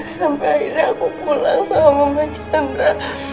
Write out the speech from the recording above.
sampai akhirnya aku pulang sama mama citra